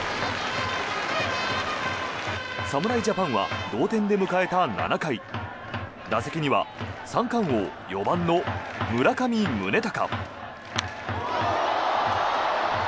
侍ジャパンは同点で迎えた７回打席には三冠王、４番の村上宗隆。